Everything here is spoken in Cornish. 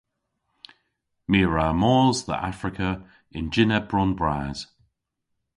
My a wra mos dhe Afrika yn jynn ebron bras.